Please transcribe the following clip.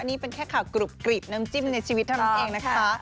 นี่เป็นแค่ข่าวกรุบกรีบน้ำจิ้มในชีวิตเท่านั้นเองนะคะ